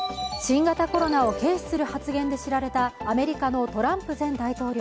新型コロナを軽視する発言で知られたアメリカのトランプ前大統領。